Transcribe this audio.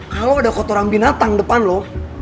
kalau ada kotoran binatang depan loh